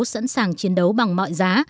sẵn sàng chiến đấu bằng mọi giá